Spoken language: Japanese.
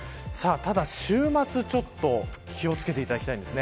ただ週末ちょっと気を付けていただきたいです。